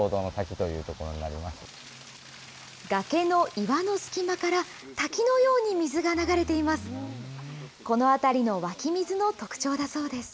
崖の岩の隙間から、滝のように水が流れています。